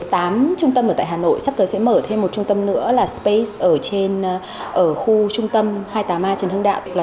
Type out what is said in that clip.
trung tâm ở tại hà nội sắp tới sẽ mở thêm một trung tâm nữa là space ở khu trung tâm hai mươi tám a trần hưng đạo